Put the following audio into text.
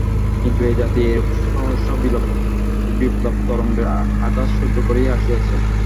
কিন্তু এই জাতি এরূপ সহস্র বিপ্লব-তরঙ্গের আঘাত সহ্য করিয়া আসিয়াছে।